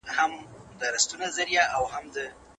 که انلاین تمرین دوام ولري، مهارت نه کمېږي.